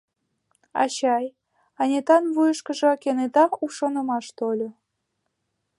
— Ачай, — Анитан вуйышкыжо кенета у шонымаш тольо, —